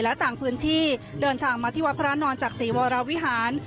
และต่างพื้นที่เดินทางมาที่วัดพระนอนจากศรีวรวิหาร